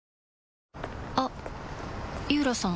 あっ井浦さん